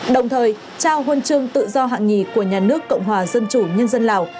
đồng thời trao huân chương tự do hạng nhì của nhà nước cộng hòa dân chủ nhân dân lào